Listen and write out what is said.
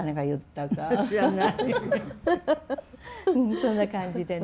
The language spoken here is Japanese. そんな感じでね。